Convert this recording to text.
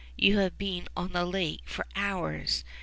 You have been on the lake for hours.